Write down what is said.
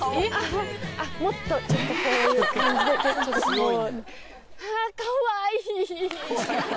もっとちょっとこういう感じでちょっとこう。